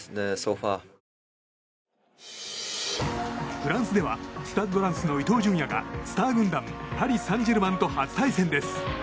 フランスではスタッド・ランスの伊東純也がスター軍団パリ・サンジェルマンと初対戦です。